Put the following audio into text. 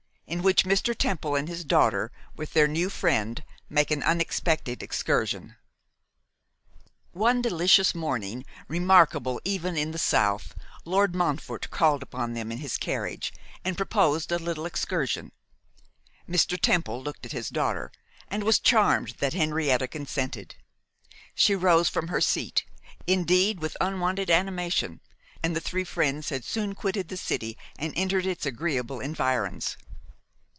In Which Mr. Temple and His Daughter, with Their New Friend, Make an Unexpected Excursion. ONE delicious morning, remarkable even in the south, Lord Montfort called upon them in his carriage, and proposed a little excursion. Mr. Temple looked at his daughter, and was charmed that Henrietta consented. She rose from her seat, indeed, with unwonted animation, and the three friends had soon quitted the city and entered its agreeable environs.